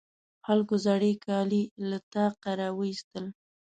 خلکو زاړې کالي له طاقه راواېستل.